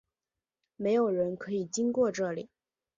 没有人可以经过这里！